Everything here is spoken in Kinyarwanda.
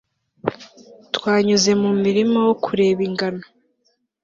Twanyuze mu murima wo kureba ingano